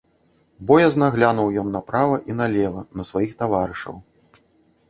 Боязна глянуў ён направа і налева на сваіх таварышаў.